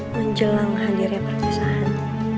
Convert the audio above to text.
menjelang hadirnya perpisahan